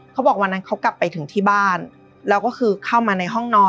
เขาบอกวันนั้นเขากลับไปถึงที่บ้านแล้วก็คือเข้ามาในห้องนอน